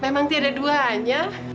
dia ini memang tidak ada duanya